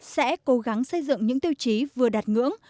sẽ cố gắng xây dựng những tiêu chí vừa đạt ngưỡng